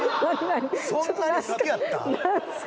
そんなに好きやった？なんですか？